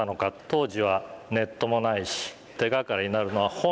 当時はネットもないし手がかりになるのは本だったわけですね。